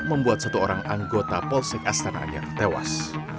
membuat satu orang anggota polsek astana anyar tewas